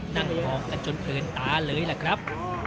นั่งมองกันจนเพลินตาเลยล่ะครับ